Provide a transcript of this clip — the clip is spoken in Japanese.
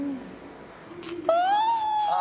ああ！